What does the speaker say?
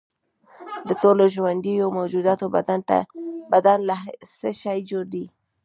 د ټولو ژوندیو موجوداتو بدن له څه شي جوړ دی